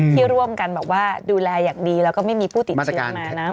ที่ร่วมกันแบบว่าดูแลอย่างดีแล้วก็ไม่มีผู้ติดเชื้อมานะ